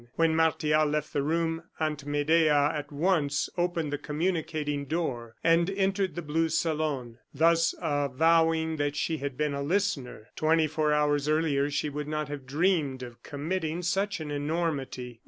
When Martial left the room, Aunt Medea at once opened the communicating door and entered the blue salon, thus avowing that she had been a listener. Twenty four hours earlier she would not have dreamed of committing such an enormity.